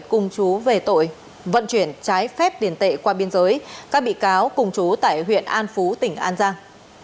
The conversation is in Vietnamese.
cùng chú về tội vận chuyển trái phép tiền tệ qua biên giới các bị cáo cùng chú tại huyện an phú tỉnh an giang